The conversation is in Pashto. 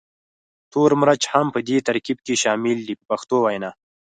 تور مرچ هم په دې ترکیب کې شامل دی په پښتو وینا.